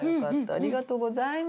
ありがとうございます。